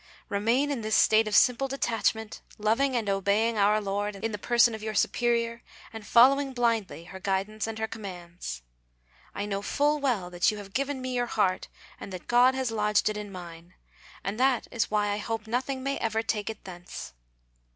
Remain in this state of simple detachment, loving and obeying Our Lord in the person of your Superior and following blindly her guidance and her commands. I know full well that you have given me your heart and that God has lodged it in mine, and this is why I hope nothing may ever take it thence.